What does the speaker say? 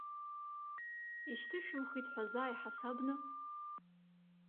Ишьҭышәымхит ҳәа заа иҳасабны?